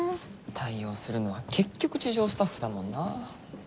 対応するのは結局地上スタッフだもんなあ。